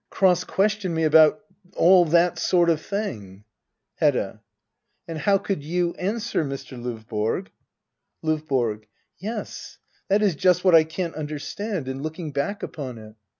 Cross question me about — all that sort of thing ? Hedda. And how could you answer, Mr. LOvborg ? LOVBORO. Yes, that is just what I can't understand — in looking back upon it.